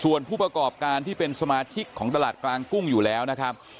ส่วนผู้ประกอบการที่เป็นสมาชิกของตลาดกลางกุ้งอยู่แล้วนะครับ